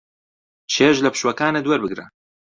چێژ لە پشووەکانت وەربگرە.